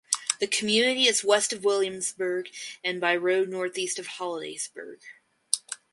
The community is west of Williamsburg and by road northeast of Hollidaysburg.